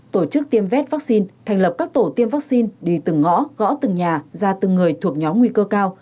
tổ chức tiêm vét vaccine thành lập các tổ tiêm vaccine đi từng ngõ gõ từng nhà ra từng người thuộc nhóm nguy cơ cao